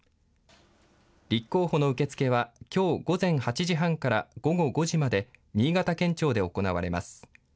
立候補の受け付けは、きょう午前８時半から午後５時まで新潟県庁で行われます。